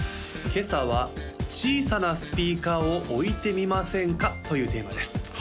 今朝は「小さなスピーカーを置いてみませんか？」というテーマです